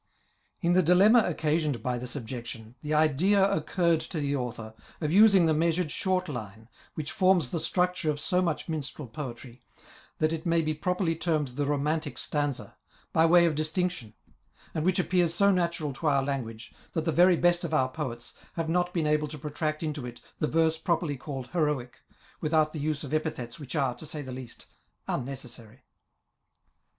In the dilemma occasioned by ^s objection, the idea occurred to the Author of using the measured short line, which forms the structure, of so much minstrel poetry, that it may be properly termed the Romantic stanza, by way of distinction ; and which appears so natural to our language, that the very best of our poets have not been able to protract it into the verse properly called Heroic, without the use of epithets which are, to say the least, unnecessary.